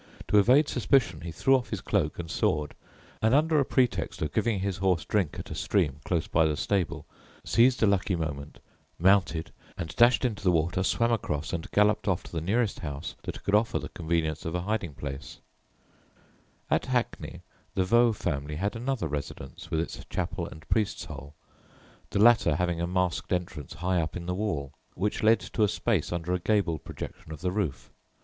To evade suspicion he threw off his cloak and sword, and under a pretext of giving his horse drink at a stream close by the stable, seized a lucky moment, mounted, and dashed into the water, swam across, and galloped off to the nearest house that could offer the convenience of a hiding place. [Footnote 1: See Life of John Gerard, p. 386.] At Hackney the Vaux family had another, residence with its chapel and "priest's hole," the latter having a masked entrance high up in the wall, which led to a space under a gable projection of the roof.